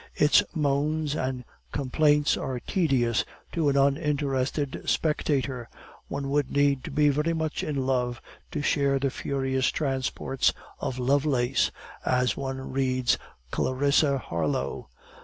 Its moans and complaints are tedious to an uninterested spectator. One would need to be very much in love to share the furious transports of Lovelace, as one reads Clarissa Harlowe.